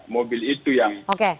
mobil itu yang